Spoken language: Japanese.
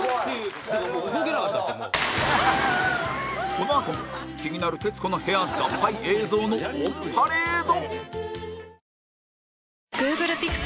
このあとも気になる『徹子の部屋』惨敗映像のオンパレード